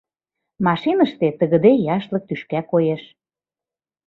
Машиныште тыгыде яшлык тӱшка коеш».